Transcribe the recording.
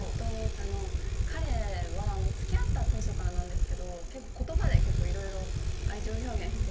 彼は付き合った当初からなんですけど結構言葉でいろいろ愛情表現して。